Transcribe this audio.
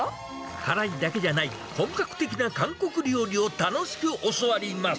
辛いだけじゃない、本格的な韓国料理を楽しく教わります。